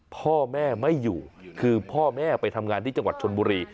พ่อแม่ไม่อยู่คือพ่อแม่ไปทำงานที่จังหวัดชนบุรี